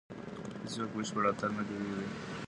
هیڅوک بشپړ اتل نه جوړوي.